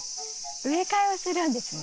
植え替えをするんですね。